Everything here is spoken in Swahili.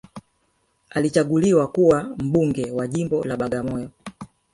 alichaguliwa kuwa mbunge wa jimbo la bagamoyo